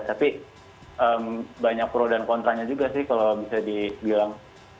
tapi banyak pro dan kontranya juga sih kalau bisa dibilang